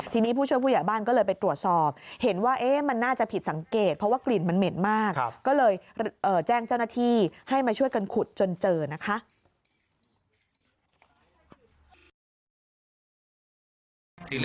ที่แรกแก้บ้านบอกว่าอาจจะเป็นซากซากหมาซากอะไรแบบนี้